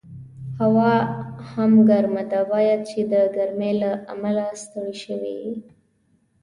هوا هم ګرمه ده، باید چې د ګرمۍ له امله ستړی شوي یې.